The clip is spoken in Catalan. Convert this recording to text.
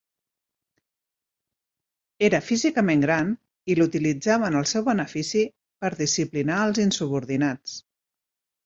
Era físicament gran i l'utilitzava en el seu benefici per disciplinar als insubordinats.